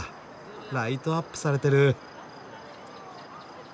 ライトアップされてる。